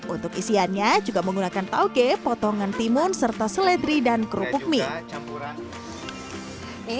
untuk isiannya juga menggunakan tauke potongan timun serta seledri dan kerupuk mie